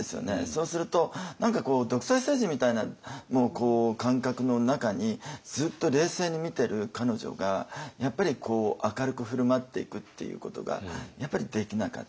そうすると何かこう独裁政治みたいな感覚の中にずっと冷静に見てる彼女がやっぱり明るく振る舞っていくっていうことができなかった。